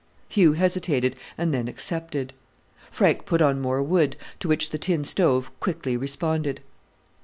Hugh hesitated, and then accepted. Frank put on more wood, to which the tin stove quickly responded.